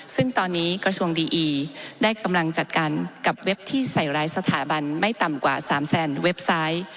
ซึ่งตอนนี้กระทรวงดีอีได้กำลังจัดการกับเว็บที่ใส่ร้ายสถาบันไม่ต่ำกว่า๓แสนเว็บไซต์